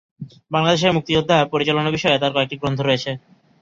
বাংলাদেশের মুক্তিযোদ্ধা পরিচালনা বিষয়ে তার কয়েকটি গ্রন্থ রয়েছে।